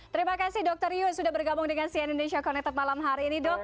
terima kasih dokter yu sudah bergabung dengan cn indonesia connected malam hari ini dok